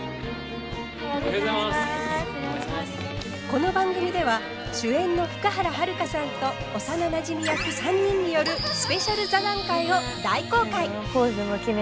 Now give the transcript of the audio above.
この番組では主演の福原遥さんと幼なじみ役３人によるスペシャル座談会を大公開！